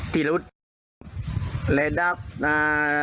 ทีรุจและดาบอ้า